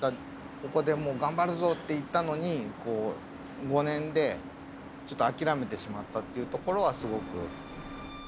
ここでもう、頑張るぞって言ったのに、もう５年でちょっと諦めてしまったというところは、すごく。